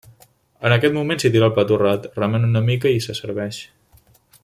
En aquest moment s’hi tira el pa torrat, es remena una mica i se serveix.